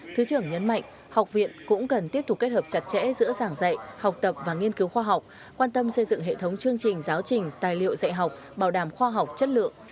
thứ trưởng nhấn mạnh học viện cũng cần tiếp tục kết hợp chặt chẽ giữa giảng dạy học tập và nghiên cứu khoa học quan tâm xây dựng hệ thống chương trình giáo trình tài liệu dạy học bảo đảm khoa học chất lượng